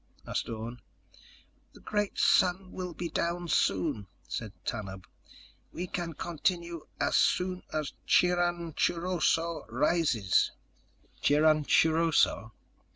asked Orne. "The great sun will be down soon," said Tanub. "We can continue as soon as Chiranachuruso rises." "Chiranachuruso?"